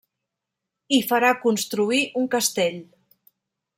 Hi farà construir un castell.